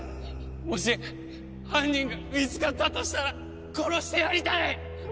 もし犯人が見つかったとしたら殺してやりたい！